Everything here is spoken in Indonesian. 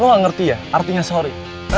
lo gak ngerti ya artinya sorry